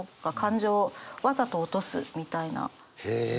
へえ。